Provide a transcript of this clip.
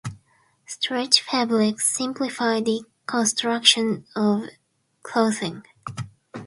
Stretch fabrics simplify the construction of clothing.